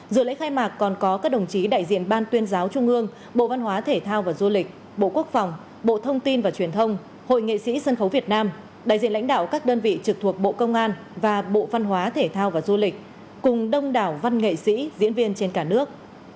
dự lễ khai mạc còn có các đồng chí đại diện ban tuyên giáo trung ương bộ văn hóa thể thao và du lịch bộ quốc phòng bộ thông tin và truyền thông hội nghệ sĩ sân khấu việt nam đại diện lãnh đạo các đơn vị trực thuộc bộ công an và bộ văn hóa thể thao và du lịch cùng đông đảo văn nghệ sĩ diễn viên trên cả nước